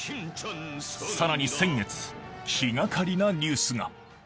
さらに先月、気がかりなニュースが。